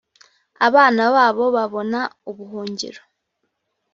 abana babo babona ubuhungiro